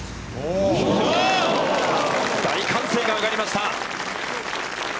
大歓声が上がりました。